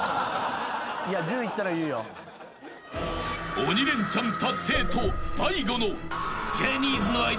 ［鬼レンチャン達成と大悟の］